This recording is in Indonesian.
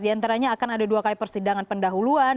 diantaranya akan ada dua persidangan pendahuluan